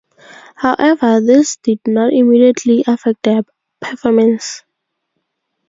However, this did not immediately affect their performance.